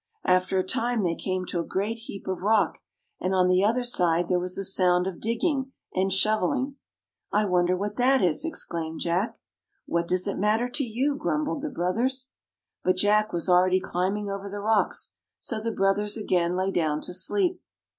After a time they came to a great heap of rock, and on the other side there was a sound of digging and shoveling. " I wonder what that is 1 " exclaimed Jack. " What does it matter to you? " grumbled the brothers. [ 112 ] THE LAD WHO WONDERED But Jack was already climbing over the rocks, so the brothers again lay down to sleep.